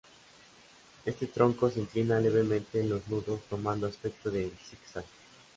Este tronco se inclina levemente en los nudos tomando aspecto de zig-zag.